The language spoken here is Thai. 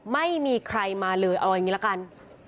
ไม่มีใครมาเลยเอาอย่างนี้ละกัน